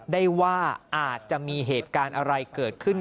ได้ว่าอาจจะมีเหตุการณ์อะไรเกิดขึ้น